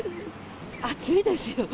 暑いですよ。